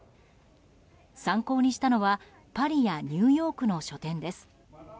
参考にしたのはパリやニューヨークの書店です。